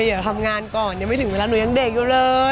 อยากทำงานก่อนยังไม่ถึงเวลาหนูยังเด็กอยู่เลย